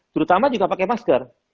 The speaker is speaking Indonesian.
terutama juga pakai masker